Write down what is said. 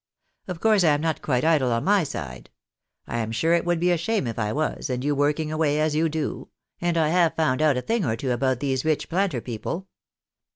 Of course, I am not quite idle on my side ; I am sure it would be a shame if I was, and you working away as you do ; and I have found out a thing or two about these rich planter people.